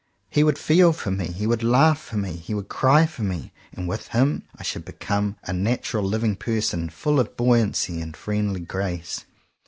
He would feel for me; he would laugh for me; he would cry for me; and with him I should become a natural living person full of buoyancy and friendly grace.